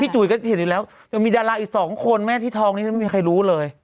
พี่จุ๋ยก็เห็นอยู่แล้วมีดาราอีก๒คนไหมที่ท้องนี้มีใครรู้เลย